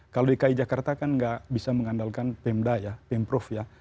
kalau di ki jakarta kan tidak bisa mengandalkan pemda ya pemprov ya